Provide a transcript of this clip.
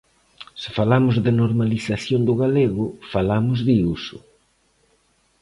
Se falamos de normalización do galego, falamos de uso.